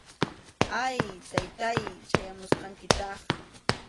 Ay, Taytáy, chayamusqankitaq